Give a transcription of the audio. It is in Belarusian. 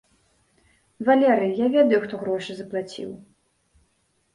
Валерый, я ведаю хто грошы заплаціў.